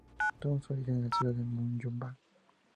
Tuvo su origen en la ciudad de Moyobamba.